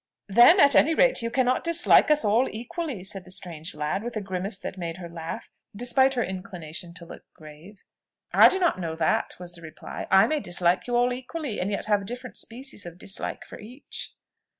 "Then, at any rate, you cannot dislike us all equally," said the strange lad, with a grimace that made her laugh, despite her inclination to look grave. "I do not know that," was the reply. "I may dislike you all equally, and yet have a different species of dislike for each."